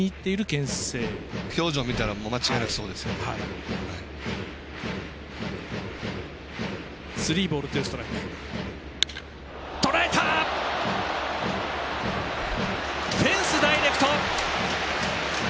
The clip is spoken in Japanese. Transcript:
フェンスダイレクト！